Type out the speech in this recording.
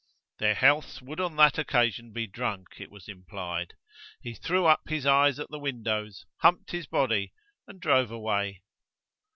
Their healths would on that occasion be drunk, it was implied. He threw up his eyes at the windows, humped his body and drove away.